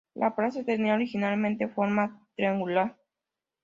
La plaza tenía originalmente forma triangular.